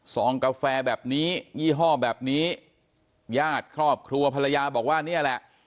องกาแฟแบบนี้ยี่ห้อแบบนี้ญาติครอบครัวภรรยาบอกว่าเนี่ยแหละ